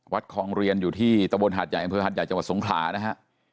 คลองเรียนอยู่ที่ตะบนหาดใหญ่อำเภอหาดใหญ่จังหวัดสงขลานะฮะ